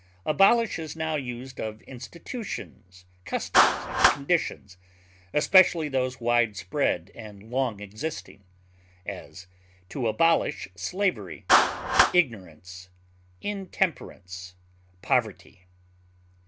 Abolish is now used of institutions, customs, and conditions, especially those wide spread and long existing; as, to abolish slavery, ignorance, intemperance, poverty.